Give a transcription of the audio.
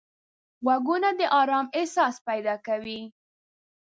غوږونه د آرام احساس پیدا کوي